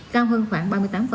cao hơn khoảng ba mươi tám